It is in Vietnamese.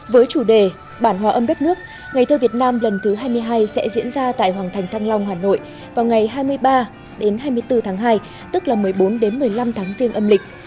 với chủ đề bản hòa âm đất nước ngày thơ việt nam lần thứ hai mươi hai sẽ diễn ra tại hoàng thành thăng long hà nội vào ngày hai mươi ba đến hai mươi bốn tháng hai tức là một mươi bốn đến một mươi năm tháng riêng âm lịch